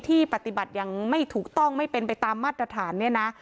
ที่ปฏิบัติอย่างไม่ถูกต้องไม่เป็นไปตามมาตรฐานเนี่ยนะ